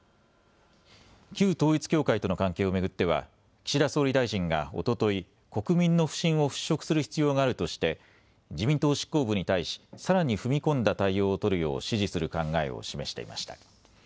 旧統一協会との関係を巡っては岸田総理大臣がおととい国民の不信を払拭する必要があるとして自民党執行部に対しさらに踏み込んだ対応を取るよう指示する考えを示していました。